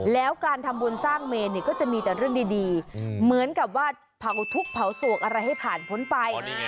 แล้วการทำบุญสร้างเมนเนี่ยก็จะมีแต่เรื่องดีเหมือนกับว่าเผาทุกข์เผาศวกอะไรให้ผ่านพ้นไป